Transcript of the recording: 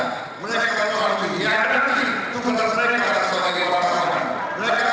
mereka yang bisa mengimulasi demokrasi